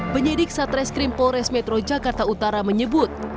penyidik satreskrim polres metro jakarta utara menyebut